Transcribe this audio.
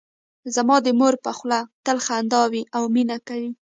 زما د مور په خوله تل خندا وي او مینه کوي